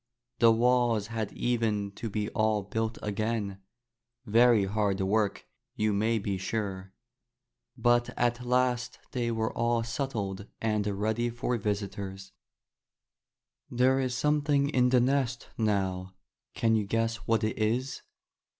The walls had even to be all built again, — very hard work, you may be sure. But at last they were all settled and ready for visitors, 116 A DEAR LITTLE FAMILY. There is something in the nest now; can you guess what it is?